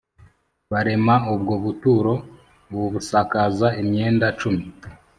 barema ubwo buturo babusakaza imyenda cumi